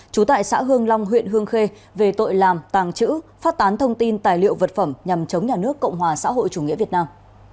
trú tại xã hương long huyện hương khê về tội làm tàng trữ phát tán thông tin tài liệu vật phẩm nhằm chống nhà nước cộng hòa xã hội chủ nghĩa việt nam